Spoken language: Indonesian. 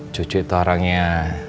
cucu itu orangnya